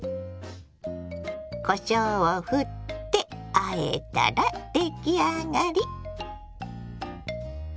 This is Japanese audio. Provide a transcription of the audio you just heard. こしょうをふってあえたら出来上がり。